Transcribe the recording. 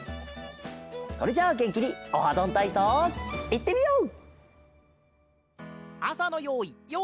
それじゃあげんきに「オハどんたいそう」いってみよう！